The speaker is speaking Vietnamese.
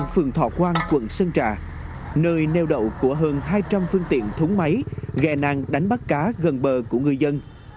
phường thọ quang quận sơn trà nơi neo đậu của hơn hai trăm linh phương tiện thúng máy ghe nàng đánh bắt cá gần bờ của người dân